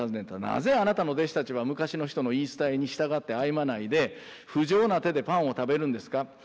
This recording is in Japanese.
なぜあなたの弟子たちは昔の人の言い伝えに従って歩まないで不浄な手でパンを食べるんですか？